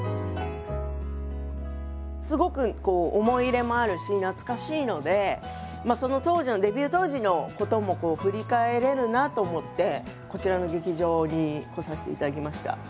すごくこう思い入れもあるし懐かしいのでその当時のデビュー当時のことも振り返れるなあと思ってこちらの劇場に来させていただきました。